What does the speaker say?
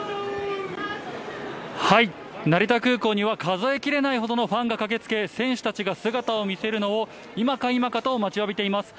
成田空港には、数え切れないほどのファンが駆けつけ、選手たちが姿を見せるのを、今か今かと待ちわびています。